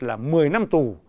là một mươi năm tù